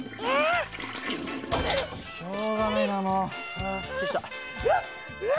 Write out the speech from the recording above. あすっきりした。